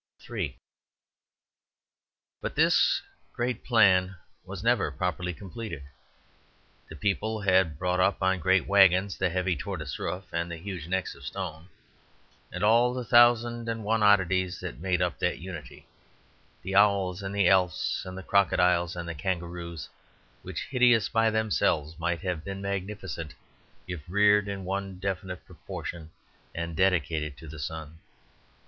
III But this great plan was never properly completed. The people had brought up on great wagons the heavy tortoise roof and the huge necks of stone, and all the thousand and one oddities that made up that unity, the owls and the efts and the crocodiles and the kangaroos, which hideous by themselves might have been magnificent if reared in one definite proportion and dedicated to the sun.